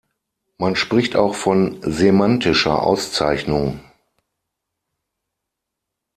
Man spricht auch von „semantischer Auszeichnung“.